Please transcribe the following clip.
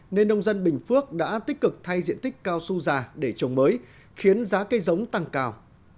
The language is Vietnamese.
nên nông dân bình phước đã tích cực thay diện tích cao su già để trồng mới khiến giá cây giống tăng cao